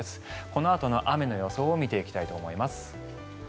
このあとの雨の予想を見ていきたいと思います。